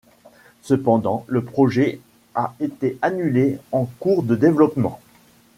Cependant, le projet a été annulé en cours de développement.